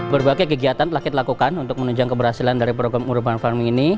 berbagai kegiatan telah kita lakukan untuk menunjang keberhasilan dari program urban farming ini